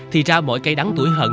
thì ra mỗi cây đắng tuổi hận